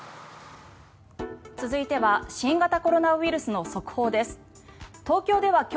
続いては新型コロナウイルスの速報です。